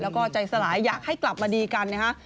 แล้วก็ใจสลายอยากให้กลับมาดีกันนะฮะ